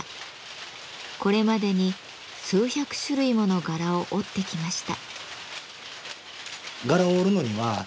これまでに数百種類もの柄を織ってきました。